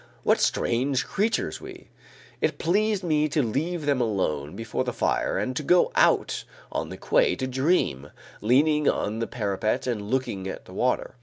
What strange creatures we! It pleased me to leave them alone before the fire and to go out on the quay to dream, leaning on the parapet and looking at the water.